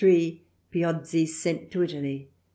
Piozzi sent to Italy.